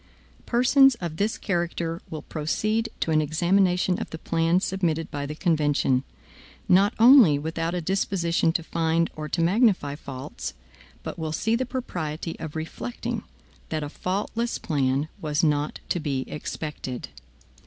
Persons of this character will proceed to an examination of the plan submitted by the convention, not only without a disposition to find or to magnify faults; but will see the propriety of reflecting, that a faultless plan was not to be expected.